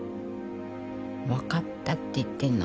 分かったって言ってるの。